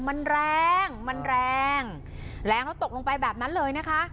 มันแรงมันแรงแรงแล้วตกลงไปแบบนั้นเลยนะคะ